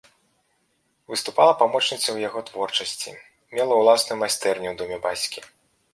Выступала памочніцай ў яго творчасці, мела ўласную майстэрню ў доме бацькі.